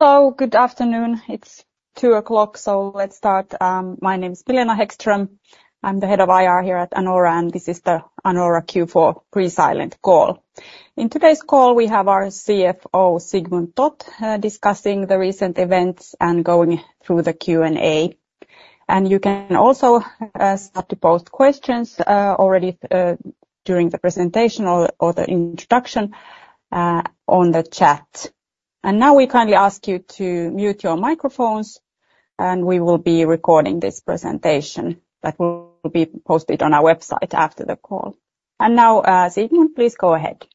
Hello, good afternoon. It's two o'clock, so let's start. My name is Milena Hæggström. I'm the head of IR here at Anora, and this is the Anora Q4 pre-silent call. In today's call, we have our CFO, Sigmund Toth, discussing the recent events and going through the Q&A. You can also start to post questions already during the presentation or the introduction on the chat. Now, we kindly ask you to mute your microphones, and we will be recording this presentation that will be posted on our website after the call. Now, Sigmund, please go ahead.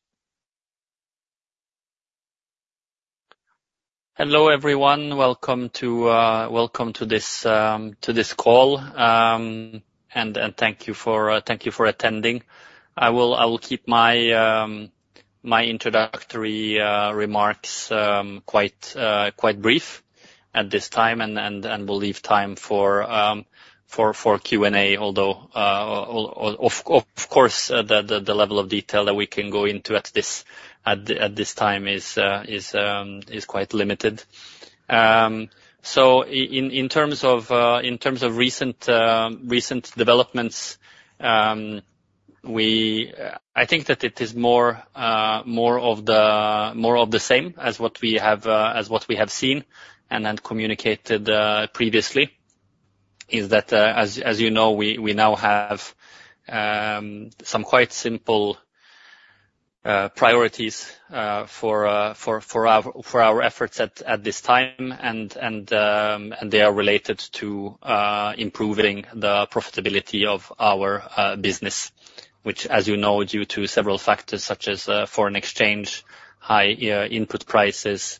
Hello, everyone. Welcome to this call. And thank you for attending. I will keep my introductory remarks quite brief at this time, and we'll leave time for Q&A, although, of course, the level of detail that we can go into at this time is quite limited. So in terms of recent developments, we... I think that it is more of the same as what we have seen and then communicated previously, is that, as you know, we now have some quite simple priorities for our efforts at this time, and they are related to improving the profitability of our business, which, as you know, due to several factors, such as foreign exchange, high input prices,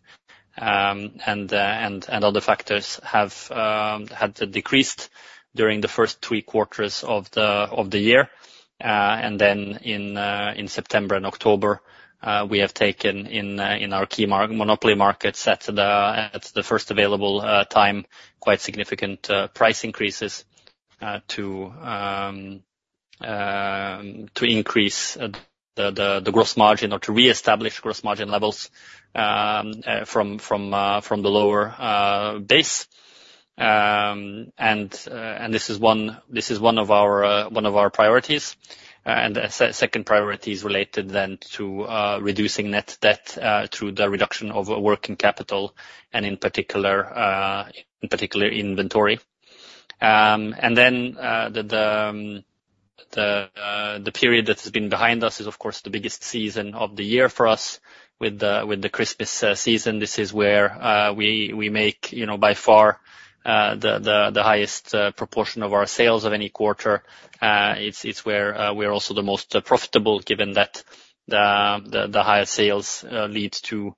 and other factors have had decreased during the first three quarters of the year. And then in September and October, we have taken in our key monopoly markets at the first available time quite significant price increases to increase the gross margin or to reestablish gross margin levels from the lower base. And this is one of our priorities. And the second priority is related then to reducing net debt through the reduction of working capital, and in particular inventory. And then the period that has been behind us is, of course, the biggest season of the year for us, with the Christmas season. This is where we make, you know, by far the highest proportion of our sales of any quarter. It's where we are also the most profitable, given that the higher sales lead to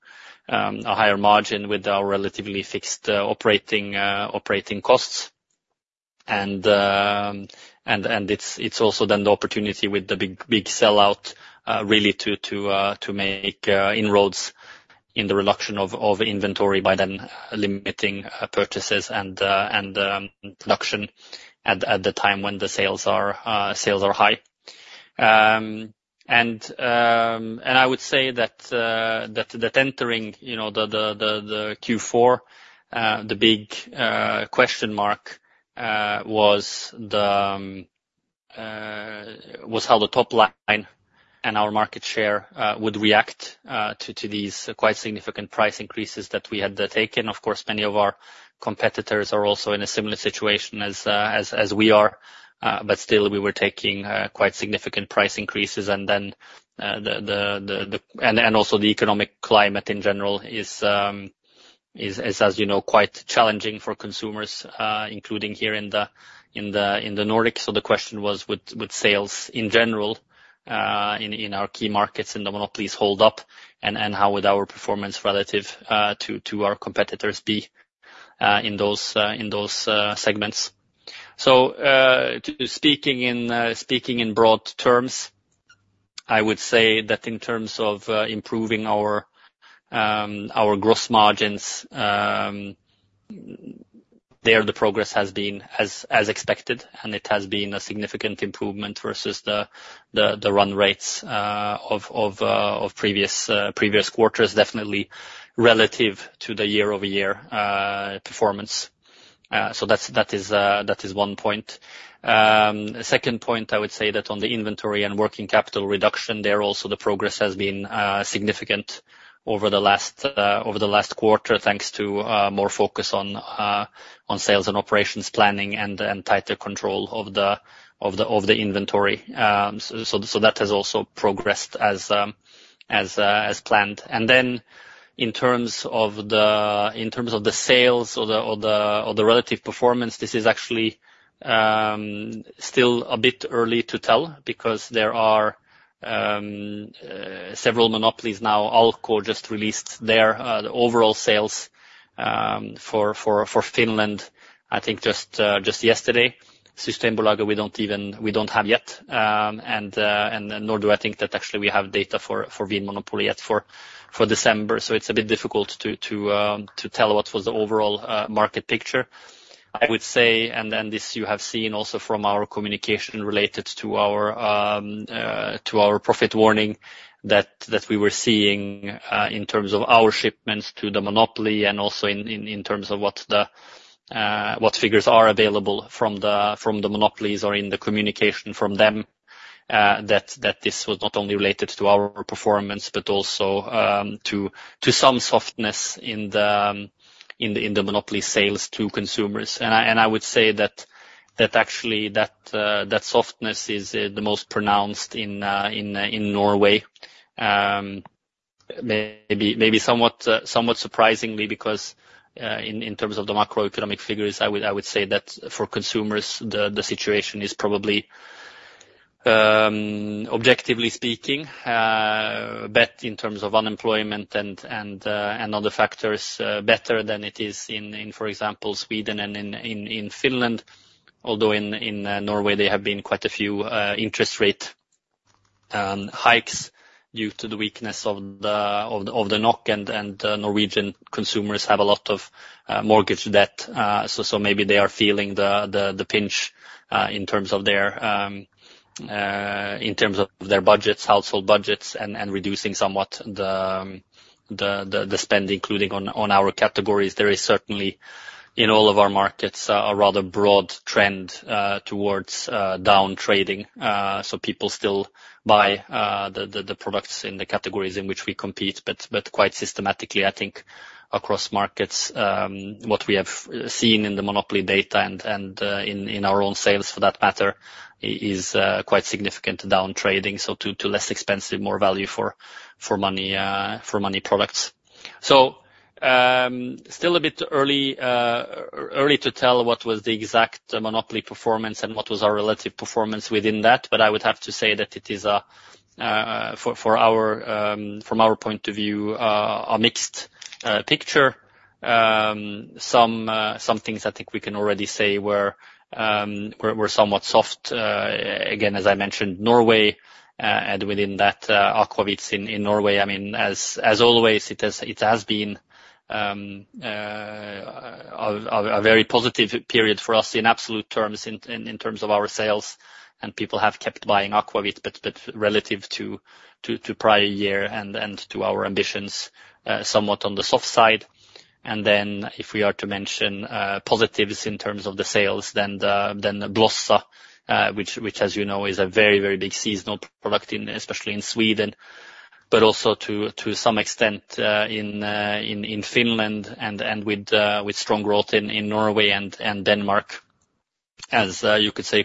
a higher margin with our relatively fixed operating costs. And it's also then the opportunity with the big sell-out really to make inroads in the reduction of inventory by then limiting purchases and production at the time when the sales are high. And I would say that entering, you know, the Q4, the big question mark was how the top line and our market share would react to these quite significant price increases that we had taken. Of course, many of our competitors are also in a similar situation as we are, but still, we were taking quite significant price increases. And also the economic climate in general is, as you know, quite challenging for consumers, including here in the Nordics. So the question was, would sales in general, in our key markets, and the monopolies hold up? And how would our performance relative to our competitors be in those segments? So, speaking in broad terms, I would say that in terms of improving our gross margins, the progress has been as expected, and it has been a significant improvement versus the run rates of previous quarters, definitely relative to the year-over-year performance. So that is one point. Second point, I would say that on the inventory and working capital reduction, there also the progress has been significant over the last quarter, thanks to more focus on sales and operations planning and tighter control of the inventory. So that has also progressed as planned. And then in terms of the sales or the relative performance, this is actually still a bit early to tell because there are several monopolies now. Alko just released their overall sales for Finland, I think just yesterday. Systembolaget, we don't even—we don't have yet, and nor do I think that actually we have data for Vinmonopolet yet for December. So it's a bit difficult to tell what was the overall market picture. I would say, and then this you have seen also from our communication related to our, to our profit warning, that we were seeing in terms of our shipments to the monopoly and also in terms of what figures are available from the monopolies or in the communication from them, that this was not only related to our performance, but also to some softness in the monopoly sales to consumers. I would say that actually that softness is the most pronounced in Norway. Maybe somewhat surprisingly, because in terms of the macroeconomic figures, I would say that for consumers, the situation is probably objectively speaking but in terms of unemployment and other factors better than it is in, for example, Sweden and in Finland. Although in Norway, they have been quite a few interest rate hikes due to the weakness of the NOK and Norwegian consumers have a lot of mortgage debt. So maybe they are feeling the pinch in terms of their household budgets and reducing somewhat the spend, including on our categories. There is certainly, in all of our markets, a rather broad trend towards down trading. So people still buy the products in the categories in which we compete, but quite systematically, I think across markets, what we have seen in the monopoly data and in our own sales, for that matter, is quite significant down trading, so to less expensive, more value for money products. So, still a bit early to tell what was the exact monopoly performance and what was our relative performance within that, but I would have to say that it is a, for our, from our point of view, a mixed picture. Some things I think we can already say were somewhat soft. Again, as I mentioned, Norway, and within that, aquavits in Norway, I mean, as always, it has been a very positive period for us in absolute terms, in terms of our sales, and people have kept buying aquavit, but relative to prior year and to our ambitions, somewhat on the soft side. And then if we are to mention positives in terms of the sales, then the Blossa, which, as you know, is a very, very big seasonal product in, especially in Sweden, but also to some extent, in Finland and with strong growth in Norway and Denmark, as you could say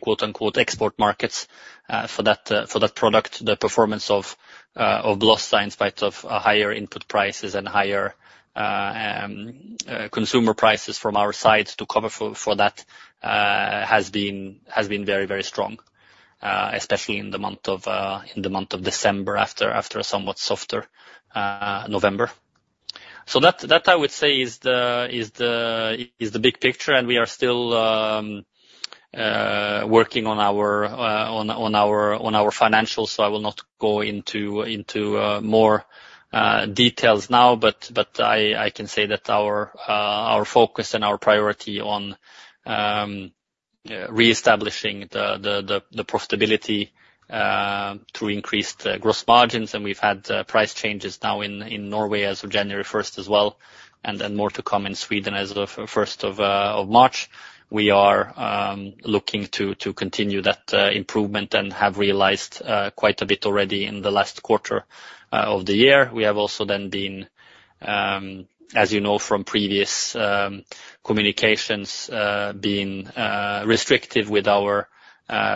"export markets", for that product. The performance of Blossa, in spite of a higher input prices and higher consumer prices from our side to cover for that, has been very, very strong, especially in the month of December, after a somewhat softer November. So that I would say is the big picture, and we are still working on our financials, so I will not go into more details now, but I can say that our focus and our priority on reestablishing the profitability through increased gross margins, and we've had price changes now in Norway as of January first as well, and then more to come in Sweden as of the first of March. We are looking to continue that improvement and have realized quite a bit already in the last quarter of the year. We have also then been, as you know, from previous communications, being restricted with our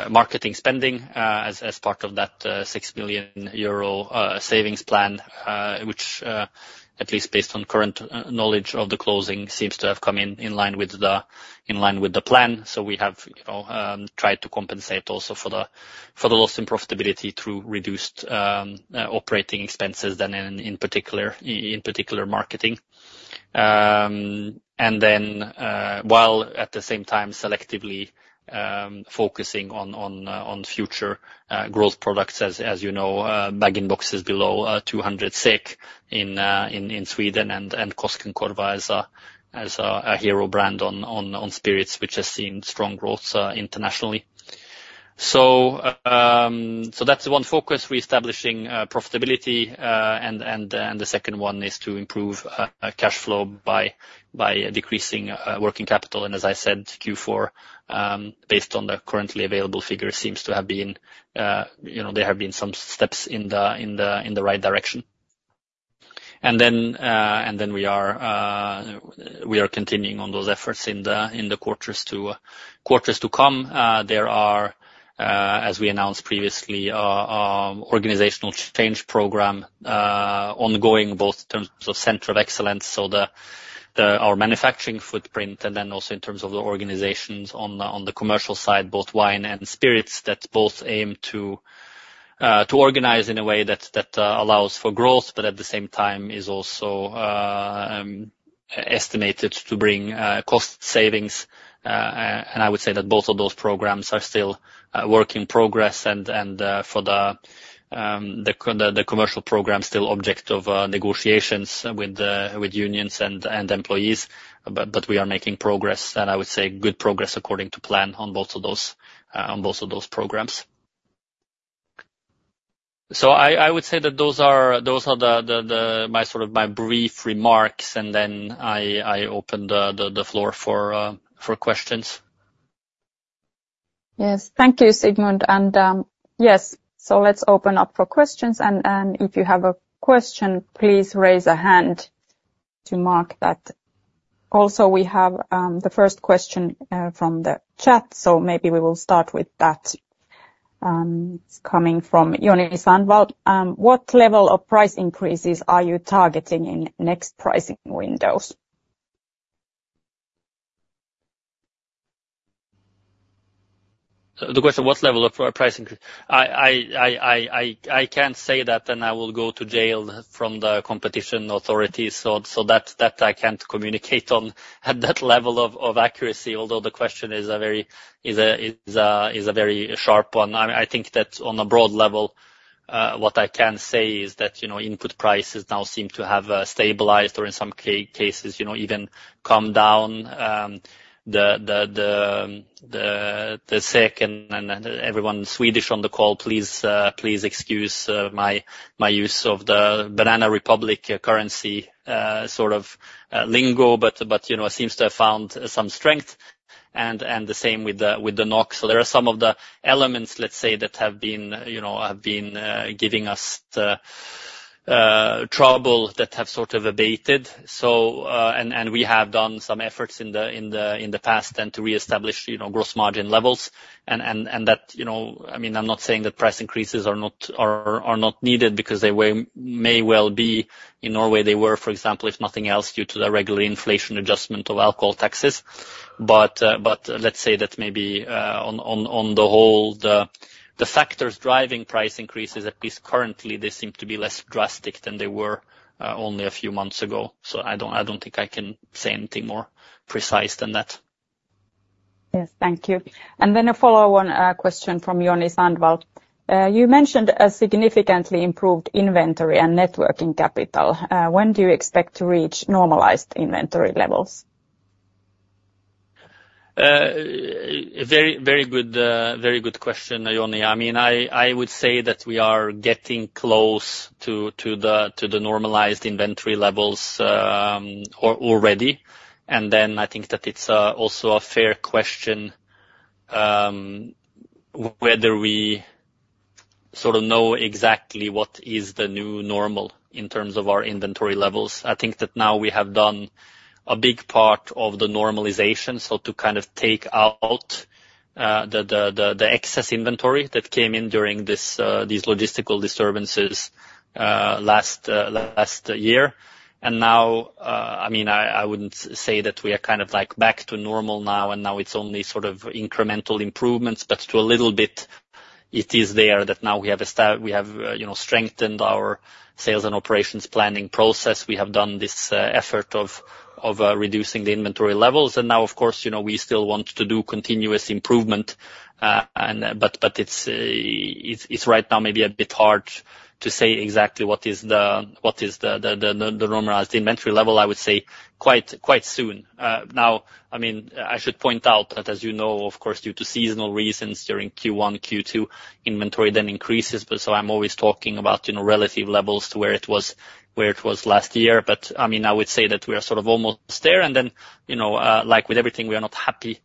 marketing spending, as, as part of that 6 million euro savings plan, which, at least based on current knowledge of the closing, seems to have come in, in line with the, in line with the plan. So we have tried to compensate also for the, for the loss in profitability through reduced operating expenses, and then in particular, in particular, marketing. And then, while at the same time, selectively focusing on, on, on future growth products, as, as you know, bag-in-boxes below 200 SEK in, in, in Sweden, and, and Koskenkorva as a, as a, a hero brand on, on, on spirits, which has seen strong growth internationally. So, that's one focus, reestablishing profitability, and the second one is to improve cash flow by decreasing working capital. And as I said, Q4, based on the currently available figures, seems to have been, you know, there have been some steps in the right direction. And then we are continuing on those efforts in the quarters to come. There are, as we announced previously, organizational change program ongoing, both in terms of center of excellence, so the, the... Our manufacturing footprint, and then also in terms of the organizations on the commercial side, both wine and spirits, that both aim to organize in a way that allows for growth, but at the same time is also estimated to bring cost savings. And I would say that both of those programs are still work in progress, and for the commercial program, still object of negotiations with the unions and employees. But we are making progress, and I would say good progress according to plan on both of those programs. So I would say that those are my sort of brief remarks, and then I open the floor for questions. Yes. Thank you, Sigmund. Yes, so let's open up for questions. If you have a question, please raise a hand to mark that. Also, we have the first question from the chat, so maybe we will start with that. It's coming from Joni Sandvall: "What level of price increases are you targeting in next pricing windows? The question, what level of price increase? I can't say that, then I will go to jail from the competition authorities. So that I can't communicate on at that level of accuracy, although the question is a very sharp one. I think that on a broad level, what I can say is that, you know, input prices now seem to have stabilized or in some cases, you know, even come down. The SEK and everyone Swedish on the call, please excuse my use of the Banana Republic currency sort of lingo. But you know, it seems to have found some strength, and the same with the NOK. So there are some of the elements, let's say, that have been, you know, have been giving us the trouble that have sort of abated. So... And we have done some efforts in the past and to reestablish, you know, gross margin levels. And that, you know, I mean, I'm not saying that price increases are not needed because they may well be. In Norway, they were, for example, if nothing else, due to the regular inflation adjustment of alcohol taxes. But let's say that maybe, on the whole, the factors driving price increases, at least currently, they seem to be less drastic than they were only a few months ago. So I don't think I can say anything more precise than that. Yes, thank you. And then a follow-on question from Joni Sandvall. "You mentioned a significantly improved inventory and working capital. When do you expect to reach normalized inventory levels? Very, very good, very good question, Joni. I mean, I would say that we are getting close to the normalized inventory levels, already. And then I think that it's also a fair question, whether we sort of know exactly what is the new normal in terms of our inventory levels. I think that now we have done a big part of the normalization, so to kind of take out the excess inventory that came in during these logistical disturbances last year. And now, I mean, I wouldn't say that we are kind of like back to normal now, and now it's only sort of incremental improvements. But to a little bit, it is there that now we have, you know, strengthened our sales and operations planning process. We have done this effort of reducing the inventory levels. And now, of course, you know, we still want to do continuous improvement, and. But it's right now maybe a bit hard to say exactly what is the normalized inventory level. I would say quite soon. Now, I mean, I should point out that, as you know, of course, due to seasonal reasons during Q1, Q2, inventory then increases, but so I'm always talking about, you know, relative levels to where it was last year. But, I mean, I would say that we are sort of almost there, and then, you know, like with everything, we are not happy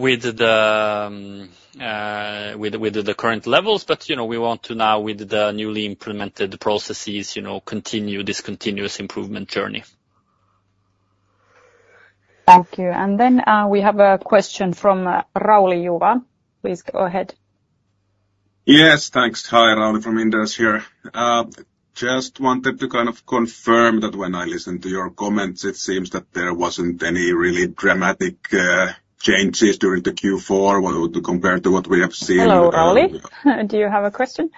with the current levels. But, you know, we want to now, with the newly implemented processes, you know, continue this continuous improvement journey. Thank you. And then, we have a question from Rauli Juva. Please go ahead. Yes, thanks. Hi, Rauli from Inderes here. Just wanted to kind of confirm that when I listened to your comments, it seems that there wasn't any really dramatic changes during the Q4 when- to compare to what we have seen- Hello, Rauli. Do you have a question?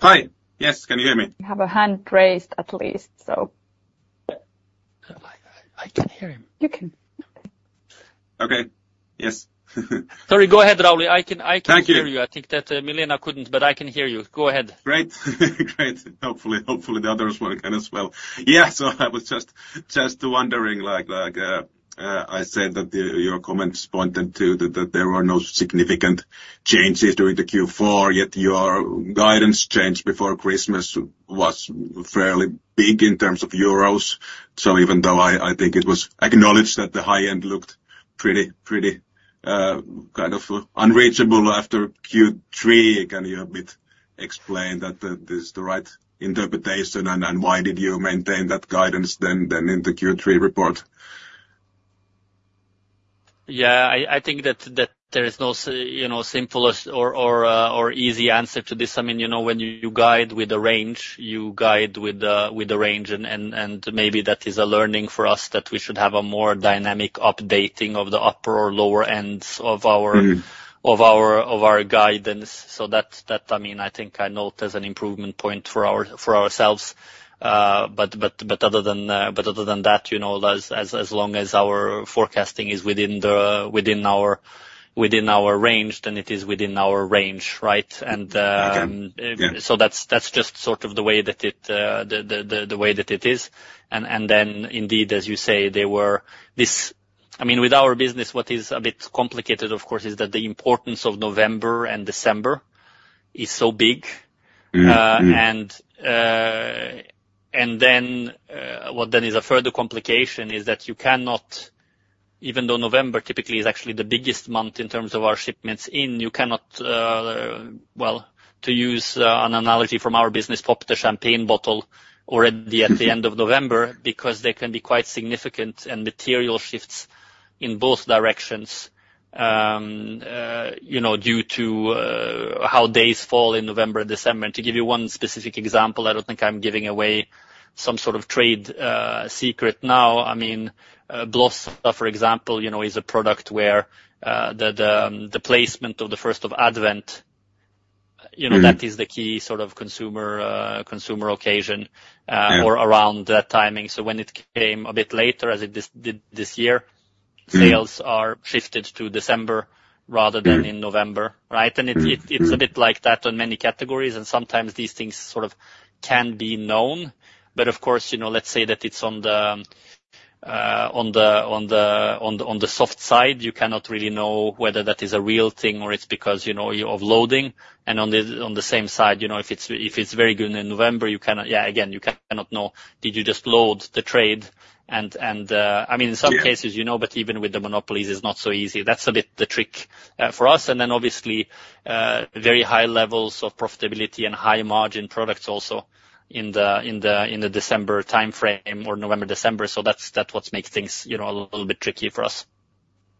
Hi! Yes. Can you hear me? You have a hand raised at least, so... I can hear him. You can? Okay. Okay. Yes. Sorry, go ahead, Rauli. I can, I can hear you. Thank you. I think that Milena couldn't, but I can hear you. Go ahead. Great. Great. Hopefully, hopefully, the others will again as well. Yeah, so I was just, just wondering, like, like, I said that your comments pointed to that, that there were no significant changes during the Q4, yet your guidance change before Christmas was fairly big in terms of euros. So even though I, I think it was acknowledged that the high end looked pretty, pretty, kind of unreachable after Q3, can you a bit explain that this is the right interpretation, and, and why did you maintain that guidance then, then in the Q3 report? Yeah, I think that there is no, you know, simplest or easy answer to this. I mean, you know, when you guide with a range, you guide with a range, and maybe that is a learning for us that we should have a more dynamic updating of the upper or lower ends of our- Mm-hmm... of our guidance. So that's, I mean, I think I note as an improvement point for ourselves. But other than that, you know, as long as our forecasting is within our range, then it is within our range, right? And Yeah. So that's just sort of the way that it is. And then indeed, as you say, there were this—I mean, with our business, what is a bit complicated, of course, is that the importance of November and December is so big. Mm-mm. And then, what then is a further complication is that you cannot, even though November typically is actually the biggest month in terms of our shipments in, you cannot, well, to use an analogy from our business, pop the Champagne bottle already at the end of November, because they can be quite significant and material shifts in both directions. You know, due to how days fall in November and December. To give you one specific example, I don't think I'm giving away some sort of trade secret now, I mean, Blossa, for example, you know, is a product where the placement of the First of Advent, you know- Mm. that is the key sort of consumer, consumer occasion. Yeah. or around that timing. So when it came a bit later, as it did this year- Mm. sales are shifted to December rather than Mm. in November, right? Mm-mm. And it's a bit like that on many categories, and sometimes these things sort of can be known. But of course, you know, let's say that it's on the soft side, you cannot really know whether that is a real thing or it's because, you know, you're offloading. And on the same side, you know, if it's very good in November, you cannot... Yeah, again, you cannot know, did you just load the trade? And, and, Yeah. I mean, in some cases, you know, but even with the monopolies, it's not so easy. That's a bit the trick for us. And then, obviously, very high levels of profitability and high margin products also in the December timeframe or November, December. So that's what makes things, you know, a little bit tricky for us.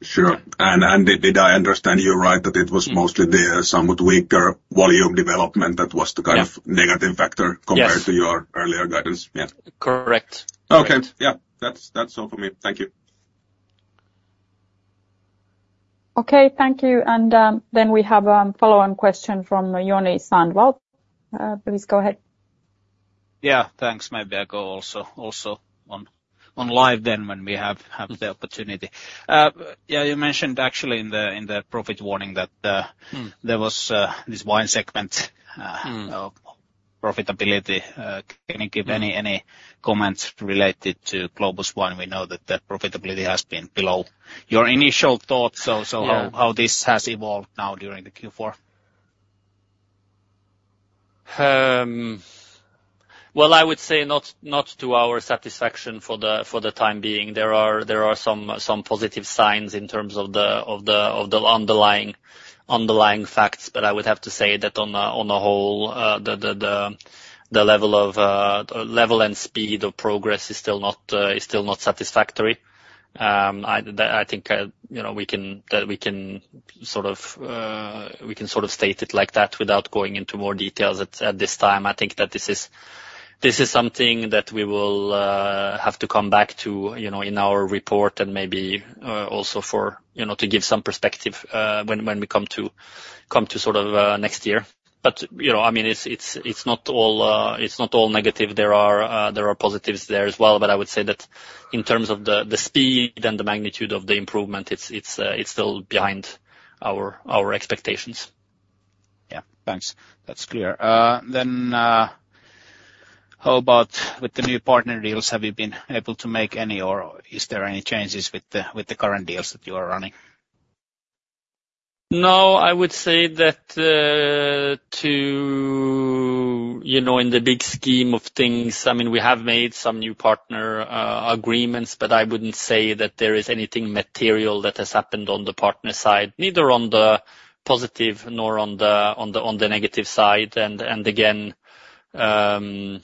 Sure. And did I understand you right, that it was mostly the somewhat weaker volume development that was the- Yeah kind of negative factor. Yes Compared to your earlier guidance? Yeah. Correct. Okay. Yeah, that's, that's all for me. Thank you. Okay, thank you. And, then we have, follow-on question from Joni Sandvall. Please go ahead. Yeah, thanks. Maybe I go also on live then, when we have the opportunity. Yeah, you mentioned actually in the profit warning that, Mm... there was, this wine segment, Mm profitability. Can you give any, any comments related to Globus Wine? We know that the profitability has been below your initial thoughts. Yeah. So, how this has evolved now during the Q4? Well, I would say not to our satisfaction for the time being. There are some positive signs in terms of the underlying facts, but I would have to say that on the whole, the level and speed of progress is still not satisfactory. I think you know, we can sort of state it like that without going into more details at this time. I think that this is something that we will have to come back to, you know, in our report and maybe also to give some perspective when we come to sort of next year. But, you know, I mean, it's not all negative. There are positives there as well. But I would say that in terms of the speed and the magnitude of the improvement, it's still behind our expectations. Yeah. Thanks. That's clear. Then, how about with the new partner deals? Have you been able to make any, or is there any changes with the current deals that you are running? No, I would say that. You know, in the big scheme of things, I mean, we have made some new partner agreements, but I wouldn't say that there is anything material that has happened on the partner side, neither on the positive nor on the negative side. And again, you know,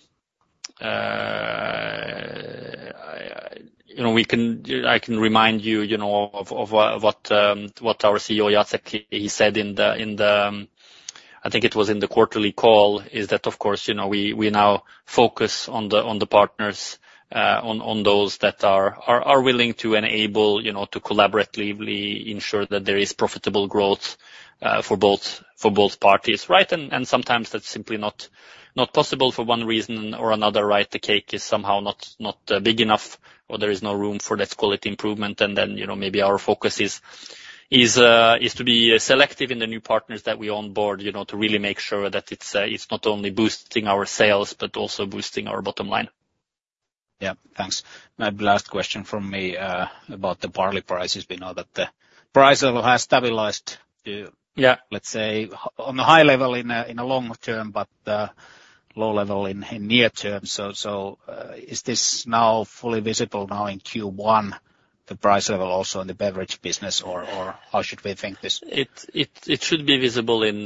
I can remind you, you know, of what our CEO, Jacek, he said in the, I think it was in the quarterly call, is that of course, you know, we now focus on the partners, on those that are willing to enable, you know, to collaboratively ensure that there is profitable growth, for both parties, right? And sometimes that's simply not possible for one reason or another, right? The cake is somehow not big enough or there is no room for let's call it improvement. And then, you know, maybe our focus is to be selective in the new partners that we onboard, you know, to really make sure that it's not only boosting our sales, but also boosting our bottom line. Yeah. Thanks. My last question from me about the barley prices. We know that the price level has stabilized to- Yeah. -let's say, on a high level in a long term, but low level in near term. So, is this now fully visible in Q1, the price level also in the beverage business, or how should we think this? It should be visible in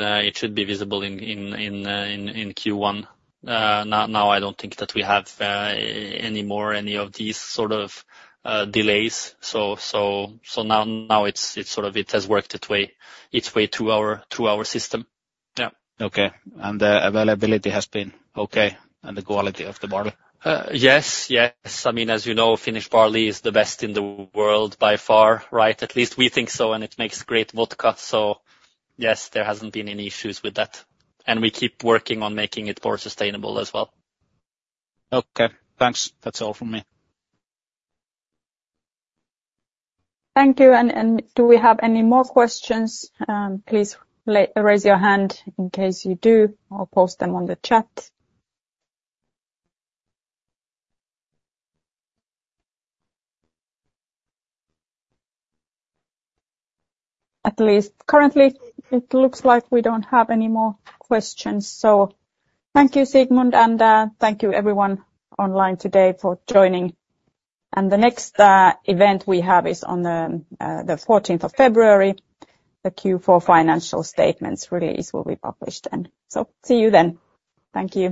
Q1. Now, I don't think that we have any more of these sort of delays. So now, it's sort of it has worked its way through our system. Yeah. Okay. And the availability has been okay, and the quality of the barley? Yes, yes. I mean, as you know, Finnish barley is the best in the world by far, right? At least we think so, and it makes great vodka. So yes, there hasn't been any issues with that, and we keep working on making it more sustainable as well. Okay, thanks. That's all from me. Thank you. And do we have any more questions? Please raise your hand in case you do, or post them on the chat. At least currently, it looks like we don't have any more questions. So thank you, Sigmund, and thank you everyone online today for joining. And the next event we have is on the fourteenth of February. The Q4 financial statements release will be published then. So see you then. Thank you.